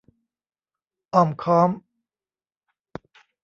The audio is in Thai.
อ้อมค้อม